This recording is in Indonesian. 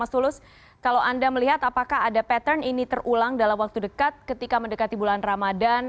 mas tulus kalau anda melihat apakah ada pattern ini terulang dalam waktu dekat ketika mendekati bulan ramadan